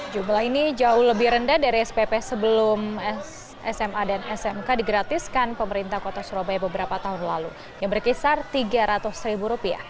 jumlah ini jauh lebih rendah dari spp sebelum sma dan smk digratiskan pemerintah kota surabaya beberapa tahun lalu yang berkisar rp tiga ratus